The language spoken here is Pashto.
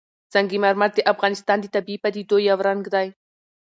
سنگ مرمر د افغانستان د طبیعي پدیدو یو رنګ دی.